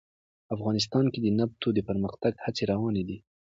افغانستان کې د نفت د پرمختګ هڅې روانې دي.